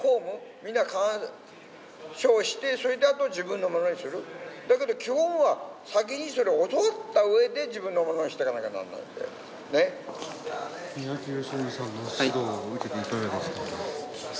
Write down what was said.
みんなそうしてそれで自分のものにするだけど基本は先にそれ教わった上で自分のものにしてかなきゃなんないんだよねっ三宅義信さんの指導を受けていかがですか？